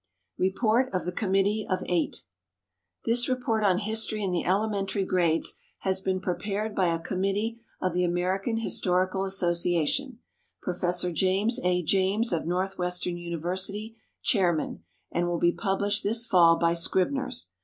Report of the Committee of Eight. This report on history in the elementary grades has been prepared by a committee of the American Historical Association, Professor James A. James, of Northwestern University, chairman, and will be published this fall by "Scribner's."